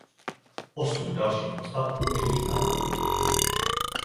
Osud dalších ostatků není znám.